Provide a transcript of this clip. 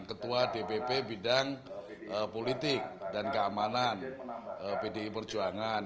ketua dpp bidang politik dan keamanan pdi perjuangan